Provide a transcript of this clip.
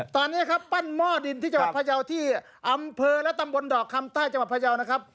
ตอนนี้ครับปั้นหม้อดินที่จังหวัดพยาวที่อำเภอและตำบลดอกคำใต้จังหวัดพยาวนะครับ